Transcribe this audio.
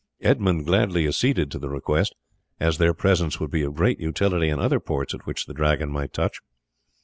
Edmund gladly acceded to the request, as their presence would be of great utility in other ports at which the Dragon might touch.